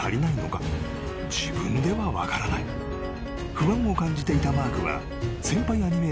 ［不安を感じていたマークは］